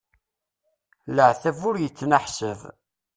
Leɛtab ur yettneḥsab!